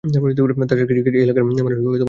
তাছাড়া কৃষিকাজ এই এলাকার মানুষের অন্যতম জীবিকা।